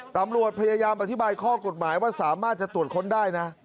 ตำรวจพยายามอธิบายข้อกฎหมายว่าสามารถจะตรวจค้นได้นะ